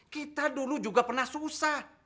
kita dulu juga pernah susah